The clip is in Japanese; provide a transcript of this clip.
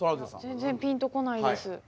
全然ピンと来ないです。